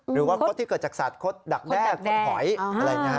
คดที่เกิดจากสัตว์คดดักแด้คดหอยอะไรอย่างนี้